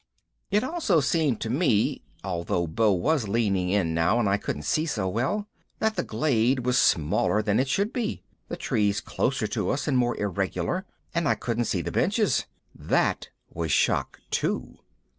It also seemed to me, although Beau was leaning in now and I couldn't see so well, that the glade was smaller than it should be, the trees closer to us and more irregular, and I couldn't see the benches. That was Shock Two.